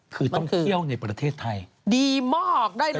คือต้องเที่ยวในประเทศไทยมันคือดีมากได้รถ